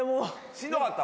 しんどかった？